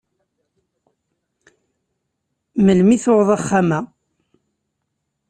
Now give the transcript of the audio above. Melmi i tuɣeḍ axxam-a?